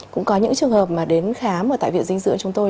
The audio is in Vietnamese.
cũng có những trường hợp mà đến khám ở tại viện dinh dưỡng chúng tôi